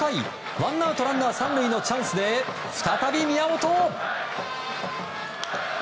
ワンアウトランナー３塁のチャンスで再び宮本。